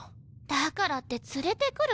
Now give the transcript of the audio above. だからって連れてくる？